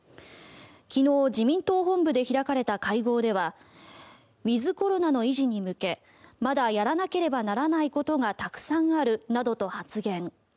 昨日、自民党本部で開かれた会合ではウィズコロナの維持に向けまだやらなければならないことがたくさんあるなどと発言。